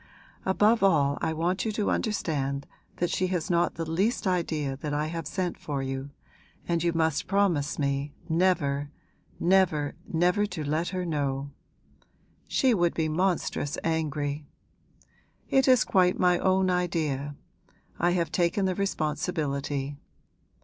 Above all I want you to understand that she has not the least idea that I have sent for you, and you must promise me never, never, never to let her know. She would be monstrous angry. It is quite my own idea I have taken the responsibility.